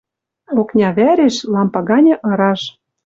Окня вӓреш — лампа ганьы ыраж.